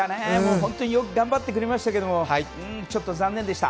本当によく頑張ってくれましたけど、ちょっと残念でした。